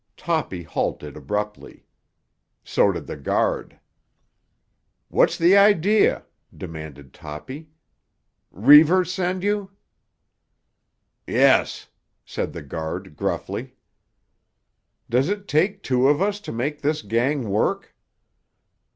Toppy halted abruptly. So did the guard. "What's the idea?" demanded Toppy. "Reivers send you?" "Yes," said the guard gruffly. "Does it take two of us to make this gang work?"